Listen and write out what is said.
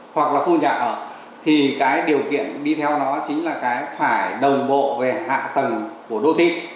hoặc là khu nhà ở thì cái điều kiện đi theo đó chính là cái phải đồng bộ về hạ tầng của đô thị